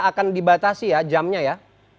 akan dibatasi ya jamnya ya